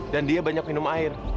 dan dia banyak minum air